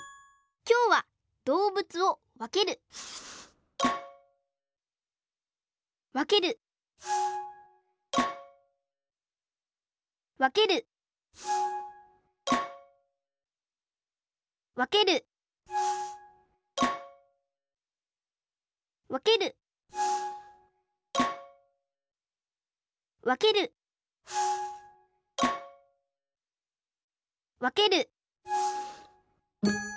きょうはどうぶつをわけるわけるわけるわけるわけるわけるわける